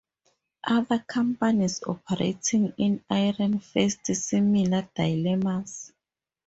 Other companies operating in Iran faced similar dilemmas.